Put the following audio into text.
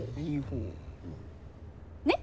ねっ？